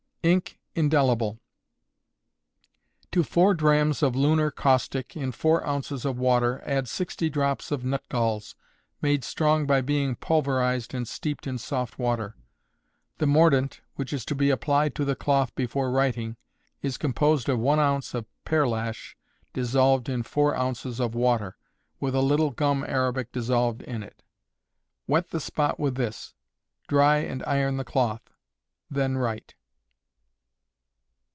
Ink, Indelible. To four drachms of lunar caustic, in four ounces of water, add 60 drops of nutgalls, made strong by being pulverized and steeped in soft water. The mordant, which is to be applied to the cloth before writing, is composed of one ounce of pearlash, dissolved in four ounces of water, with a little gum arabic dissolved in it. Wet the spot with this; dry and iron the cloth; then write.